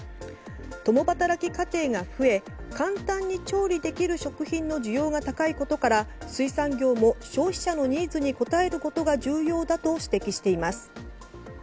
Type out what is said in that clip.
共働き家庭が増え簡単に調理ができる食品の需要が高いことから水産業も消費者のニーズに応えることが重要だと指摘しています。